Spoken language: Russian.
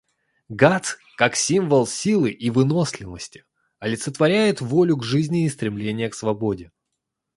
Гатс, как символ силы и выносливости, олицетворяет волю к жизни и стремление к свободе.